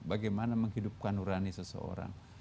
bagaimana menghidupkan urani seseorang